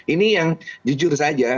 ini yang jujur saja